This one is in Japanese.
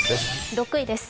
６位です。